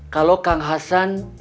kalau kang hasan